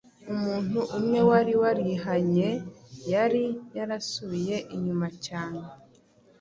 Umuntu umwe wari warihanye yari yarasubiye inyuma cyane